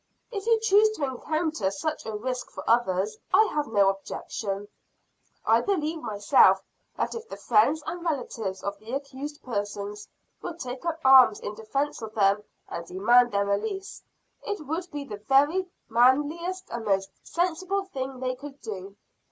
"If you choose to encounter such a risk for others, I have no objection. I believe myself that if the friends and relatives of the accused persons would take up arms in defense of them, and demand their release, it would be the very manliest and most sensible thing they could do.